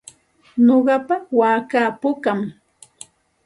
Nuqapa waakaa pukam.